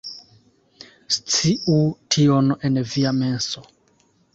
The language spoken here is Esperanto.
Sciu tion en via menso